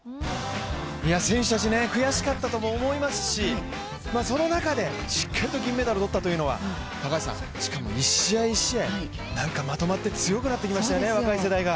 選手たち、悔しかったとも思いますし、その中でしっかりと銀メダルを取ったというのはしかも１試合１試合まとまって強くになってきましたよね、若い世代が。